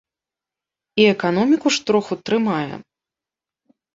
І эканоміку ж троху трымае.